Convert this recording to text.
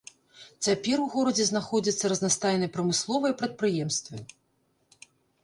Цяпер у горадзе знаходзяцца разнастайныя прамысловыя прадпрыемствы.